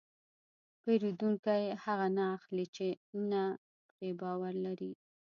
پیرودونکی هغه نه اخلي چې نه پرې باور لري.